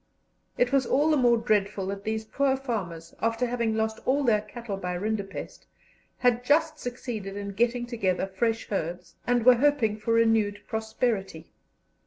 It was all the more dreadful that these poor farmers, after having lost all their cattle by rinderpest, had just succeeded in getting together fresh herds, and were hoping for renewed prosperity.